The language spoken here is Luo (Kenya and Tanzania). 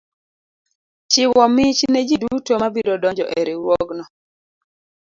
Chiwo mich ne ji duto ma biro donjo e riwruogno.